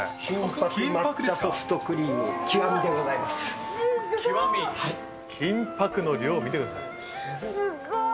金ぱくソフトクリーム極でごすごい。